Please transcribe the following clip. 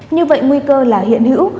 như vậy nguy cơ là hiện hữu